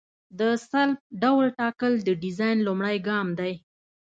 د سلب ډول ټاکل د ډیزاین لومړی ګام دی